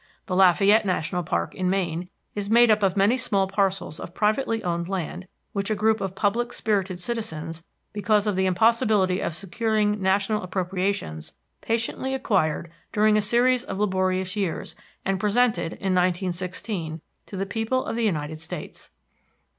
The Lafayette National Park, in Maine, is made up of many small parcels of privately owned land which a group of public spirited citizens, because of the impossibility of securing national appropriations, patiently acquired during a series of laborious years, and presented, in 1916, to the people of the United States.